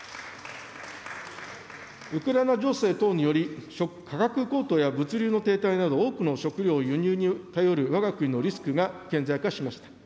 ウクライナ情勢等により、価格高騰や物流の停滞など、多くの食料を輸入に頼るわが国のリスクが顕在化しました。